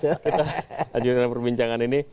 kita lanjutkan perbincangan ini